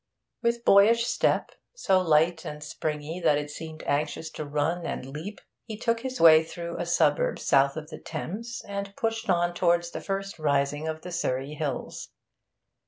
With boyish step, so light and springy that it seemed anxious to run and leap, he took his way through a suburb south of Thames, and pushed on towards the first rising of the Surrey hills.